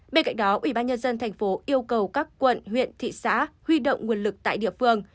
bên cạnh đó ủy ban nhân dân thành phố yêu cầu các quận huyện thị xã huy động nguồn lực tại địa phương